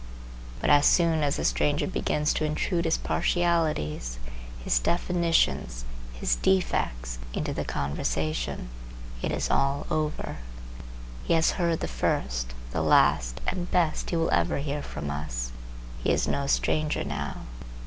But as soon as the stranger begins to intrude his partialities, his definitions, his defects, into the conversation, it is all over. He has heard the first, the last and best he will ever hear from us. He is no stranger now.